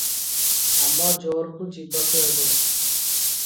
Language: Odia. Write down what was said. ଆମଜୋରକୁ ଯିବାକୁ ହେବ ।